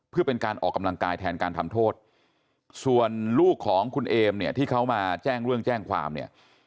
เพื่อเป็นการออกกำลังกายแทนการทำโทษส่วนลูกของคุณเอมเนี่ยที่เขามาแจ้งเรื่องแจ้งความเนี่ย